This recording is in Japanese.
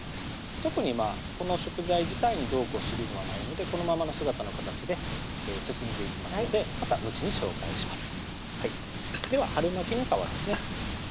特にこの食材自体にどうこうするのはないのでこのままの姿の形で包んでいきますのでまた後に紹介しますでは春巻きの皮ですね